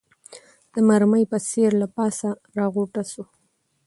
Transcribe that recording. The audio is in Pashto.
د مرمۍ په څېر له پاسه راغوټه سو